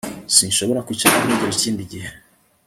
Sinshobora kwicara ntegereje ikindi gihe